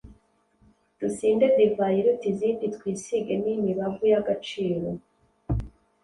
dusinde divayi iruta izindi, twisige n’imibavu y’agaciro,